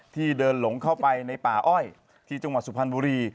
ที่เดินหลงเข้าไปในป่าอ้อยที่จังหวัดสุพรรณบุรี